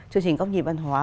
chương trình góp nhìn văn hóa